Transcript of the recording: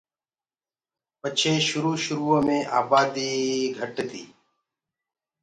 پڇي شروُ شروٚئو مي آباديٚ گھٽ تيٚ۔